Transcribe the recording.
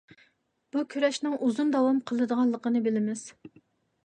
بۇ كۈرەشنىڭ ئۇزۇن داۋام قىلىدىغانلىقىنى بىلىمىز.